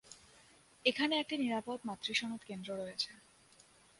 এখানে একটি নিরাপদ মাতৃ সনদ কেন্দ্র রয়েছে।